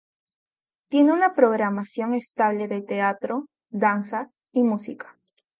Tiene una programación estable de teatro, danza y música.